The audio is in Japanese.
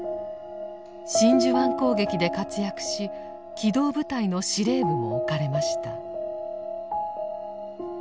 真珠湾攻撃で活躍し機動部隊の司令部も置かれました。